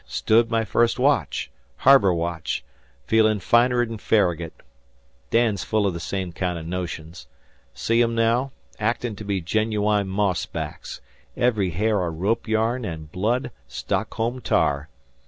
Stood my first watch harbor watch feelin' finer'n Farragut. Dan's full o' the same kind o' notions. See 'em now, actin' to be genewine moss backs very hair a rope yarn an' blood Stockholm tar."